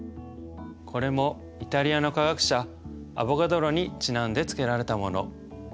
これもイタリアの科学者アボガドロにちなんで付けられたもの。